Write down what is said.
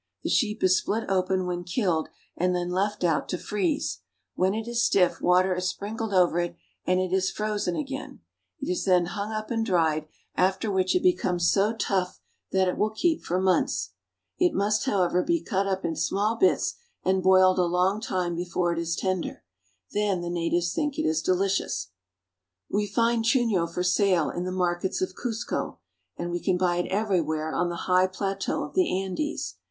The sheep is split open when killed, and then left out to freeze. When it is stiff, water is sprinkled over it, and it is frozen again. It is then hung up and dried, after which Indian with Sling. STEAMBOATING ABOVE THE CLOUDS. 8 1 it becomes so tough that it will keep for months. It must, however, be cut up in small bits and boiled a long time before it is tender; then the natives think it is delicious. We find chuno for sale in the markets of Cuzco, and we can buy it everywhere on the high plateau of the Andes.